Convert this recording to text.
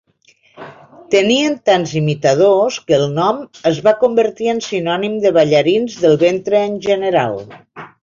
Tenien tants imitadors que el nom es va convertir en sinònim de ballarins del ventre en general.